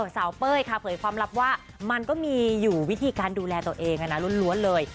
เป้ยค่ะเผยความลับว่ามันก็มีอยู่วิธีการดูแลตัวเองล้วนเลย